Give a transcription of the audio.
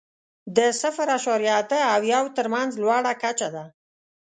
د صفر اعشاریه اته او یو تر مینځ لوړه کچه ده.